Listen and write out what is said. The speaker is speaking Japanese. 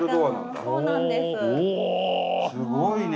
すごいね。